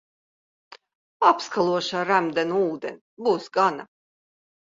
Apskalošu ar remdenu ūdeni, būs gana.